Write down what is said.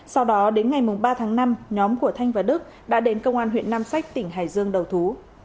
sau đó đến ngày ba tháng năm nhóm của thanh và đức đã đến công an huyện nam sách tỉnh hải dương đầu thú